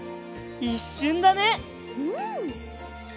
いっしゅんだね！